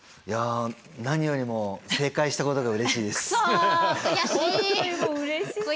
いや何よりも正解したことがうれしいです。